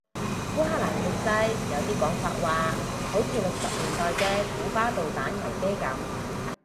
烏克蘭局勢有啲講法話好似六十年代嘅古巴導彈危機噉